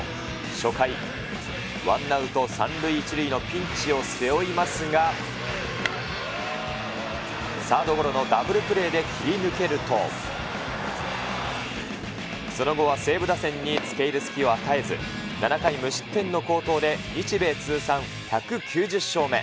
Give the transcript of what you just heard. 初回、ワンアウト３塁１塁のピンチを背負いますが、サードゴロのダブルプレーで切り抜けると、その後は西武打線につけいる隙を与えず、７回無失点の好投で、日米通算１９０勝目。